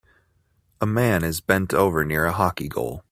A man is bent over near a hockey goal